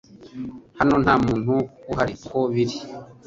Hano nta muntu uhari uko biri